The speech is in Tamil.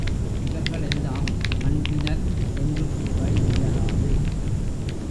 இவர்கள் எல்லாம் நண்பினர் என்று கூற இயலாது.